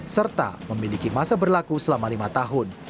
serta memiliki masa berlaku selama lima tahun